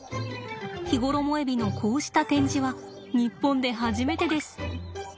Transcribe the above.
ヒゴロモエビのこうした展示は日本で初めてです。